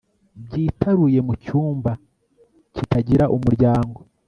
byitaruye mucyumba kitagira umuryango